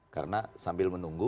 karena sambil menunggu